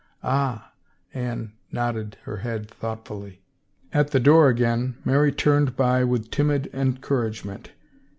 " Ah !" Anne nodded her head thoughtfully. At the door again Mary turned back with timid en couragement.